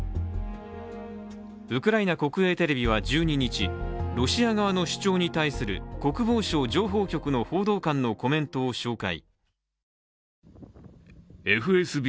ウクライナ国営テレビは１２日、ロシア側の主張に対する国防省情報局の報道官のコメントを紹介。